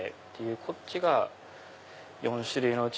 こっちが４種類のうち